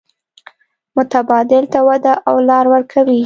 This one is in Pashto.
متبادل ته وده او لار ورکوي.